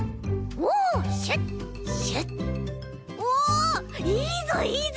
おおいいぞいいぞ！